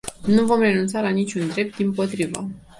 Nu vom renunța la nici un drept, dimpotrivă.